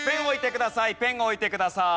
ペンを置いてください。